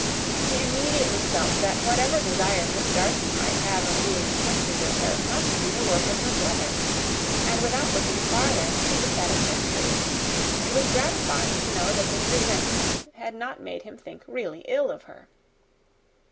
She immediately felt that whatever desire Miss Darcy might have of being acquainted with her, must be the work of her brother, and without looking farther, it was satisfactory; it was gratifying to know that his resentment had not made him think really ill of her.